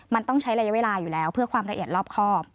มันต้องใช้ระยะเวลาอยู่แล้วเพื่อความละเอียดรอบครอบ